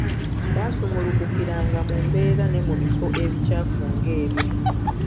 Baasumulukukiranga mu mbeera ne mu bifo ebikyafu ng’ebyo.